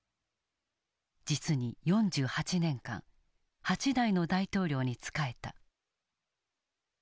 実に４８年間８代の大統領に仕えた。